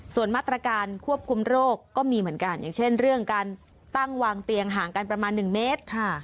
ส่วนมาตรการควบคุมโรคก็มีเหมือนกันอย่างเช่นเรื่องการตั้งวางเตียงห่างกันประมาณ๑เมตร